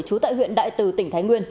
trú tại huyện đại từ tỉnh thái nguyên